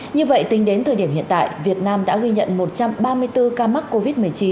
như vậy tính đến thời điểm hiện tại việt nam đã ghi nhận một trăm ba mươi bốn ca mắc covid một mươi chín